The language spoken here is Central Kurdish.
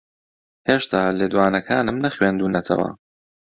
ھێشتا لێدوانەکانم نەخوێندوونەتەوە.